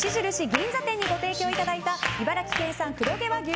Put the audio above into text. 銀座店にご提供いただいた茨城県産黒毛和牛